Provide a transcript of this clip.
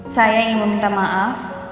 saya ingin meminta maaf